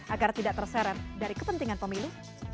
agar tidak terseret dari kepentingan pemilu